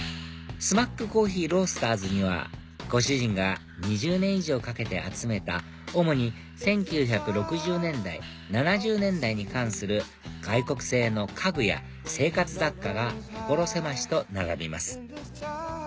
ＳＭＡＣＫＣＯＦＦＥＥＲＯＡＳＴＥＲＳにはご主人が２０年以上かけて集めた主に１９６０年代７０年代に関する外国製の家具や生活雑貨が所狭しと並びます